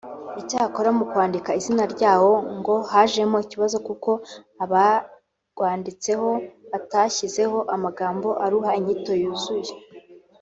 Icyakora mu kwandika izina ryarwo ngo hajemo ikibazo kuko abarwanditseho batashyizeho amagambo aruha inyito yuzuye